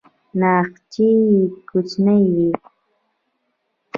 تاخچې یې کوچنۍ وې.